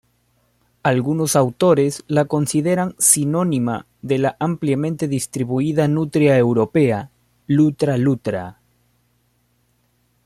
Algunos autores la consideran sinónima de la ampliamente distribuida nutria europea "Lutra lutra".